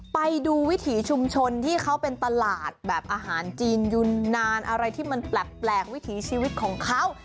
ไปดูวิถีชุมชนที่เขาเป็นตลาดแบบอาหารจีนยุนนานอะไรที่มันแปลกวิถีชีวิตของเขา